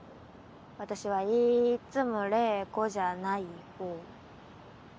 私はいっつも怜子じゃない方。